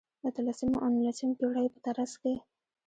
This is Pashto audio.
د اتلسمې او نولسمې پېړیو په ترڅ کې.